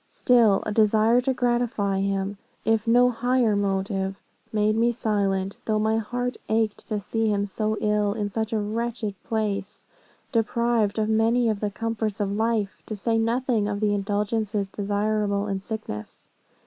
Still a desire to gratify him, if no higher motive made me silent, though my heart ached to see him so ill in such a wretched place, deprived of many of the comforts of life, to say nothing of the indulgences desirable in sickness.